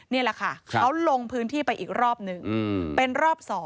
นี่แหละค่ะเขาลงพื้นที่ไปอีกรอบนึงเป็นรอบ๒